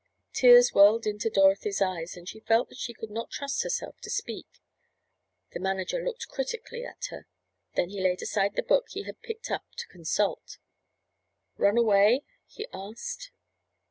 Tears welled into Dorothy's eyes, and she felt that she could not trust herself to speak. The manager looked critically at her. Then he laid aside the book he had picked up to consult. "Run away?" he asked.